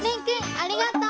ありがとう！